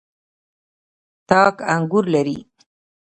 تاک انګور لري.